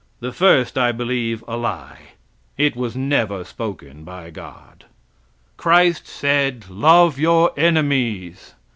The first I believe a lie it was never spoken by God. Christ said: Love your enemies.